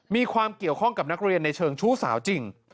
มีความเกี่ยวข้องกับนักเรียนในเชิงชู้สาวจริง